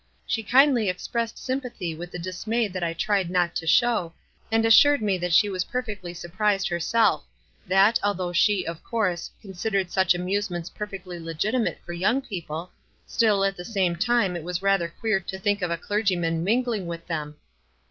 She kindly expressed sympathy with the dismay that I tried not to show, and assured me that she was perfectly surprised herself; that, although she, of course, considered such amuse ments perfectly legitimate for young people, still at the same time it was rather queer to think of a clergyman mingling with them.